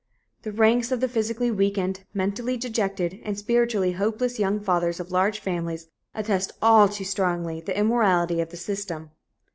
The ranks of the physically weakened, mentally dejected and spiritually hopeless young fathers of large families attest all too strongly the immorality of the system.